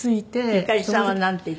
ゆかりさんはなんて言ったの？